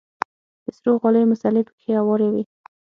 د سرو غاليو مصلې پکښې هوارې وې.